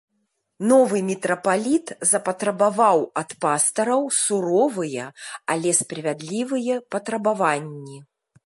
Новы мітрапаліт запатрабаваў ад пастыраў суровыя, але справядлівыя патрабаванні.